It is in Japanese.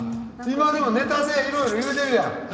今でもネタでいろいろ言うてるやん。